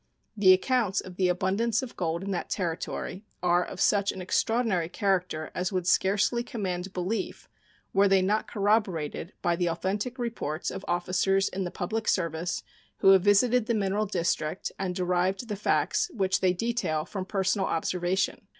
The accounts of the abundance of gold in that territory are of such an extraordinary character as would scarcely command belief were they not corroborated by the authentic reports of officers in the public service who have visited the mineral district and derived the facts which they detail from personal observation.